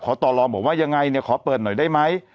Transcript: ต่อรองบอกว่ายังไงเนี่ยขอเปิดหน่อยได้ไหม